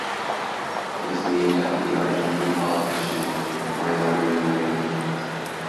It is named after the Argentine politician Mariano Moreno.